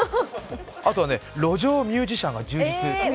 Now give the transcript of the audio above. あとは路上ミュージシャンが充実。